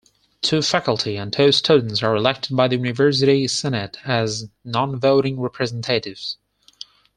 Two faculty and two students are elected by the University Senate as nonvoting representatives.